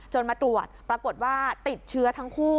มาตรวจปรากฏว่าติดเชื้อทั้งคู่